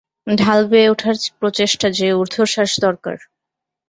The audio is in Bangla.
ঢাল বেয়ে ওঠার প্রচেষ্টা, যে ঊর্ধ্বশ্বাস দরকার।